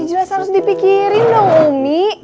jelas harus dipikirin dong umi